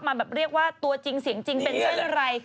มาแบบเรียกว่าตัวจริงเสียงจริงเป็นเส้นอะไร